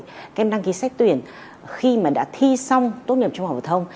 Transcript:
các em đăng ký xét tuyển khi mà đã thi xong tốt nghiệp trung hợp hội thông